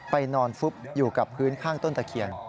นอนฟุบอยู่กับพื้นข้างต้นตะเคียน